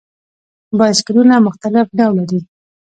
بایسکلونه مختلف ډوله دي.